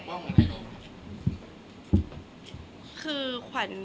แต่ขวัญไม่สามารถสวมเขาให้แม่ขวัญได้